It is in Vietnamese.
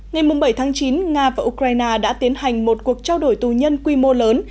ngày bảy chín nga và ukraine đã tiến hành một cuộc trao đổi tù nhân quy mô lớn